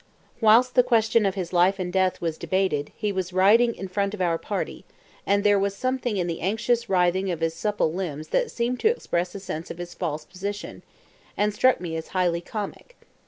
Whilst the question of his life and death was debated he was riding in front of our party, and there was something in the anxious writhing of his supple limbs that seemed to express a sense of his false position, and struck me as highly comic.